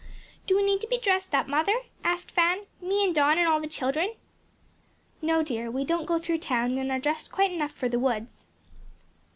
"Do we need to be dressed up, mother?" asked Fan, "me and Don and all the children?" "No, dear; we don't go through town and are dressed quite enough for the woods."